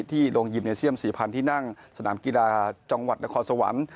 โรงยิมเนเซียม๔๐๐ที่นั่งสนามกีฬาจังหวัดนครสวรรค์